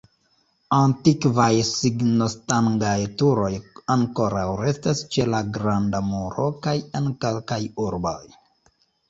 Antikvaj signostangaj turoj ankoraŭ restas ĉe la Granda Muro kaj en kelkaj urboj.